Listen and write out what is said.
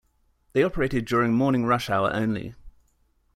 They operated during morning rush-hour only.